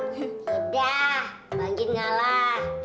hmpf yaudah bang jin ngalah